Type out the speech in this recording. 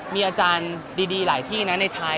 มีอาจารย์ดีที่ไปในไทย